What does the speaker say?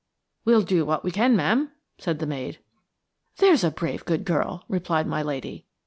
"We'll do what we can, ma'am," said the maid. "That's a brave, good girl!" replied my lady.